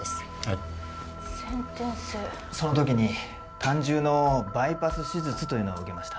その時に胆汁のバイパス手術というのを受けました。